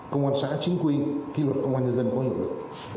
công an xã chính quy kỳ luật công an nhân dân có hiểu được